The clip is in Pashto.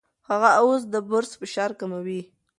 هغه اوس د برس فشار کموي.